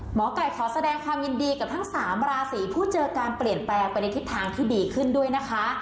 หมอไก่ขอแสดงความยินดีกับทั้ง๓ราศีผู้เจอการเปลี่ยนแปลงไปในทิศทางที่ดีขึ้นด้วยนะคะ